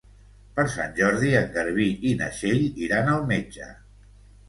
Per Sant Jordi en Garbí i na Txell iran al metge.